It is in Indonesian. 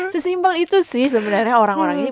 sesimpel itu sih sebenarnya orang orang ini